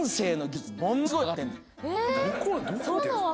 そうですね